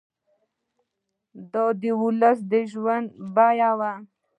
دا د ولس د ژوند په بیه وو.